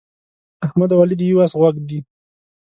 احمد او علي د یوه اس غوږ دي.